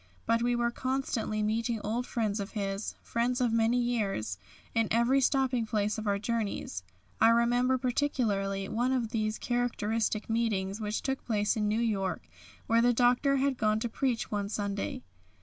But we were constantly meeting old friends of his, friends of many years, in every stopping place of our journeys. I remember particularly one of these characteristic meetings which took place in New York, where the Doctor, had gone to preach one Sunday.